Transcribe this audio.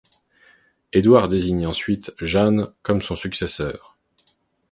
Édouard désigne ensuite Jeanne comme son successeur.